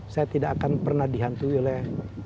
saya tidak akan pernah dihantui oleh